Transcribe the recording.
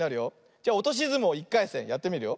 じゃおとしずもう１かいせんやってみるよ。